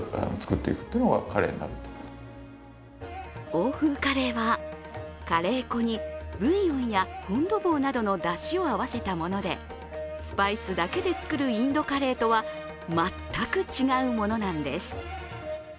欧風カレーはカレー粉にブイヨンやフォン・ド・ヴォーなどのだしを合わせたものでスパイスだけで作るインドカレーとは全く違うものなんです。